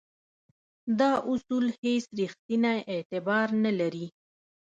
دا اصول هیڅ ریښتینی اعتبار نه لري.